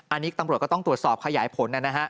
อันนี้ตำรวจก็ต้องตรวจสอบขยายผลนะฮะ